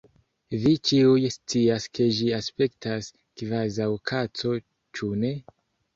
Vi ĉiuj scias ke ĝi aspektas kvazaŭ kaco, ĉu ne?